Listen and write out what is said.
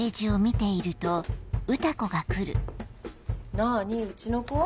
なぁに？うちの子？